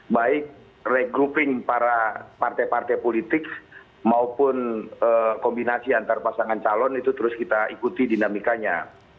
baik regrouping para partai partai politik maupun kombinasi antar pasangan calon itu terus kita ikuti dinamikanya